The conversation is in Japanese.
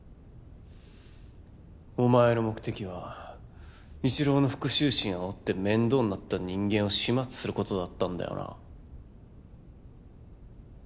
おまえの目的は一狼の復習心を煽って面倒になった人間を始末することだったんだよな。